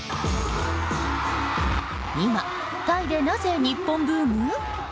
今、タイでなぜ日本ブーム？